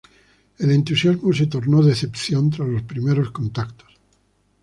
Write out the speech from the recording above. El entusiasmo se tornó decepción tras los primeros contactos.